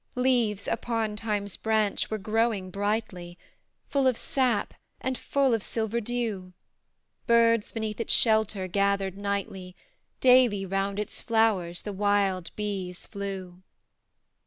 Leaves, upon Time's branch, were growing brightly, Full of sap, and full of silver dew; Birds beneath its shelter gathered nightly; Daily round its flowers the wild bees flew.